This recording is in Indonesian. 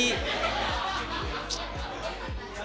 kalau tekanan sih